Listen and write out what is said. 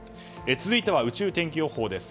続いては宇宙天気予報です。